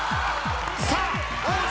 さあ王子！